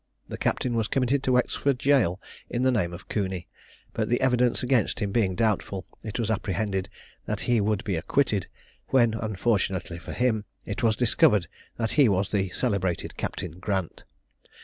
The captain was committed to Wexford jail in the name of Cooney; but the evidence against him being doubtful, it was apprehended that he would be acquitted, when, unfortunately for him, it was discovered that he was the celebrated Captain Grant.